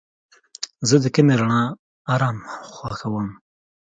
زه د کمې رڼا آرام خوښوم.